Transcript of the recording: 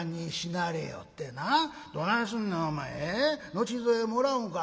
後添えもらうんか？』。